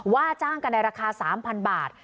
ว่าจ้างกันในราคา๓๐๐บาท